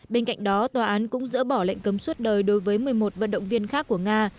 bên cạnh đó tòa án cũng dỡ bỏ lệnh cấm suốt đời đối với một mươi một vận động viên khác của nga